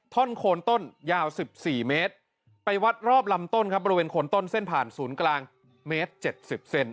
ท่อนโคนต้นยาว๑๔เมตรไปวัดรอบลำต้นครับบริเวณโคนต้นเส้นผ่านศูนย์กลางเมตรเจ็ดสิบเซน